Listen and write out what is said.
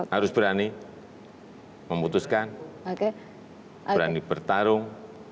harus berani memutuskan berani bertarung